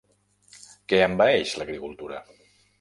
Què envaeix l'agricultura?